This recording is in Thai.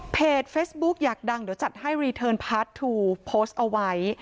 เฟซบุ๊กอยากดังเดี๋ยวจัดให้รีเทิร์นพาร์ททูลโพสต์เอาไว้